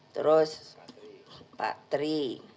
terus pak tri